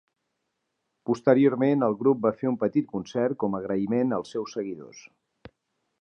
Posteriorment, el grup va fer un petit concert com a agraïment als seus seguidors.